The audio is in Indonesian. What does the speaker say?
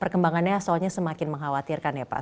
perkembangannya soalnya semakin mengkhawatirkan ya pak